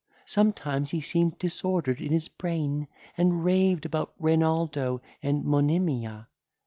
Sometimes he seemed disordered in his brain, and raved about Renaldo and Monimia.